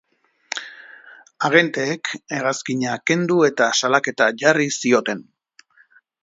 Agenteek hegazkina kendu eta salaketa jarri zioten.